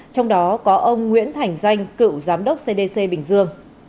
trong đó có ông nguyễn thành danh cựu giám đốc cdc bình dương